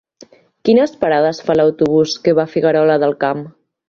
Quines parades fa l'autobús que va a Figuerola del Camp?